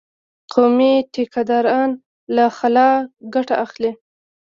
قومي ټيکه داران له خلا ګټه اخلي.